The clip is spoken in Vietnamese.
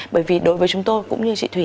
bởi vì đối với chúng tôi cũng như chị thủy